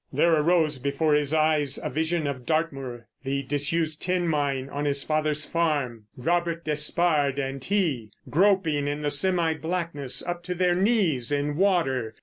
There rose before his eyes a vision of Dartmoor, the disused tin mine on his father's farm; Robert Despard and he groping in the semi blackness up to their knees in water....